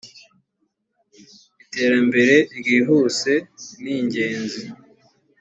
iterambere ryihuse ningenzi.